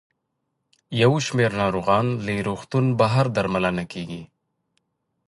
یو شمېر ناروغان له روغتون بهر درملنه کیږي.